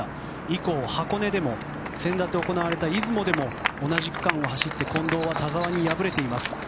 以降、箱根でも先だって行われた出雲でも同じ区間を走って近藤は田澤に敗れています。